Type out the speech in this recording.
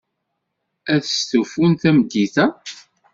Ad testufum tameddit-a?